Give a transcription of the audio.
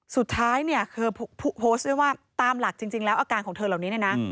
สุดท้ายคือโพสต์ว่าตามหลักจริงแล้วอาการของเธอเหล่านี้นะ